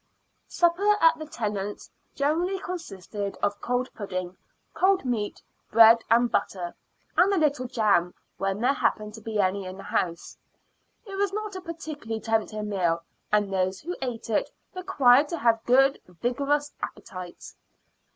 Supper at the Tennants' generally consisted of cold pudding, cold meat, bread and butter, and a little jam when there happened to be any in the house. It was not a particularly tempting meal, and those who ate it required to have good, vigorous appetites.